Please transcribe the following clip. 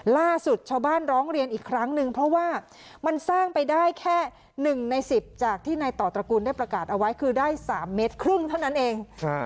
ล่าสุดชาวบ้านร้องเรียนอีกครั้งนึงเพราะว่ามันสร้างไปได้แค่๑ใน๑๐จากที่นายต่อตระกูลได้ประกาศเอาไว้คือได้๓เมตรครึ่งเท่านั้นเอง